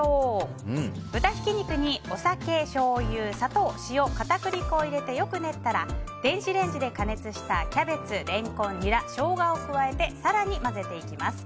豚ひき肉にお酒、しょうゆ砂糖、塩、片栗粉を入れてよく練ったら電子レンジで加熱したキャベツレンコン、ニラショウガを加えて更に混ぜていきます。